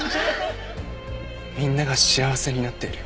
みんなが幸せになっている。